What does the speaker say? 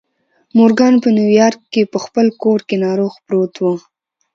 مورګان په نیویارک کې په خپل کور کې ناروغ پروت و